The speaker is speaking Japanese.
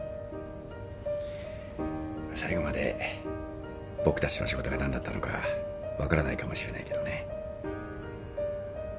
最後まで僕たちの仕事が何だったのか分からないかもしれないけどね。